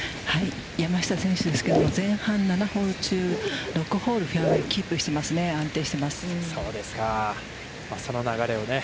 山下選手ですけれども、前半７本中６ホール、フェアウェイをキープしていますね。